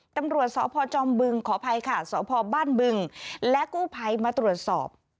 ตำรวจสพจอมบึงขออภัยค่ะสพบ้านบึงและกู้ภัยมาตรวจสอบ